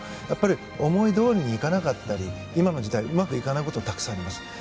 やっぱり思いどおりにいかなかったり今の時代、うまくいかないことはたくさんあります。